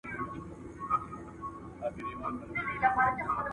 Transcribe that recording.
عاطفي اړيکې تل د منطق استازيتوب نه کوي.